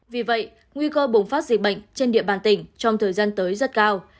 vì vậy nguy cơ bùng phát dịch bệnh trên địa bàn tỉnh trong thời gian tới rất cao